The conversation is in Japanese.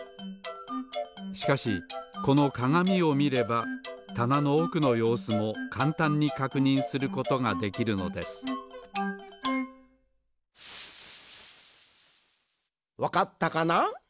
しかしこのかがみをみればたなのおくのようすもかんたんにかくにんすることができるのですわかったかな？